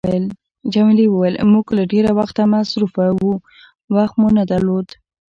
جميلې وويل: موږ له ډېره وخته مصروفه وو، وخت مو نه درلود.